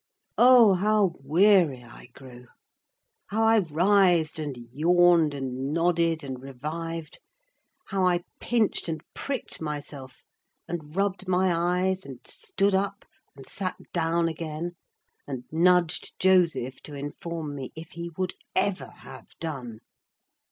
Oh, how weary I grew. How I writhed, and yawned, and nodded, and revived! How I pinched and pricked myself, and rubbed my eyes, and stood up, and sat down again, and nudged Joseph to inform me if he would ever have done.